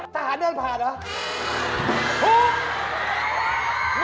ทหารเดินผ่านเหรอ